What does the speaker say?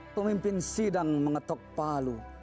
pemimpin sidang mengetok palu